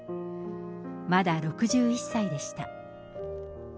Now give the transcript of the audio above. まだ６１歳でした。